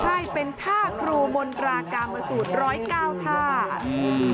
ใช่เป็นท่าครูมนตรากามสูตรร้อยเก้าท่าอืม